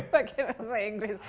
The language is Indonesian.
pak jokowi pakai bahasa inggris